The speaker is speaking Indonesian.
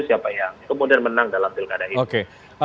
siapa yang kemudian menang dalam pilkada ini